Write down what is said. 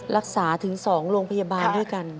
รักษาถึง๒โรงพยาบาลด้วยกัน